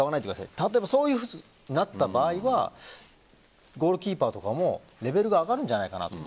例えばそういうふうになった場合はゴールキーパーとかもレベルが上がるんじゃないかなと。